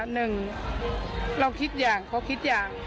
หนึ่งเราคิดอย่างเขาคิดอย่าง